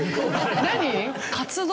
何？